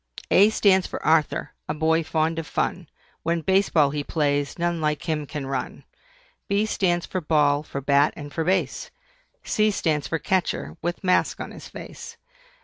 A stands for ARTHUR, a boy fond of fun, When Base Ball he plays, none like him can run. B stands for BALL, for BAT, and for BASE. C stands for CATCHER, with mask on his face.